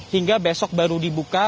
hingga besok baru dibuka